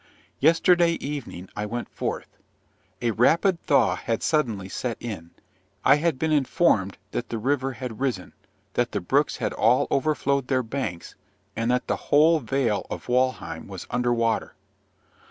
Yesterday evening I went forth. A rapid thaw had suddenly set in: I had been informed that the river had risen, that the brooks had all overflowed their banks, and that the whole vale of Walheim was under water!